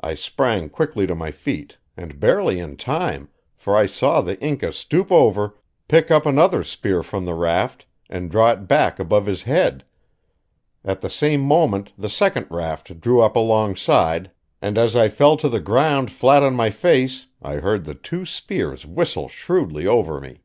I sprang quickly to my feet, and barely in time, for I saw the Inca stoop over, pick up another spear from the raft, and draw it back above his head. At the same moment the second raft drew up alongside, and as I fell to the ground flat on my face I heard the two spears whistle shrewdly over me.